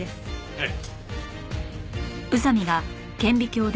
はい。